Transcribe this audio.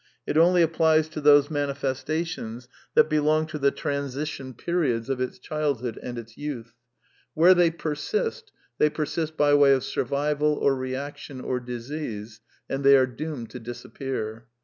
It only applies to those manifestations that belong to the transition periods of its childhood and its youth. Where they persist, they persist by way of sur vival or reaction or disease, and they are doomed to dis appear.